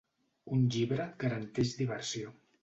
Un llibre garanteix diversió.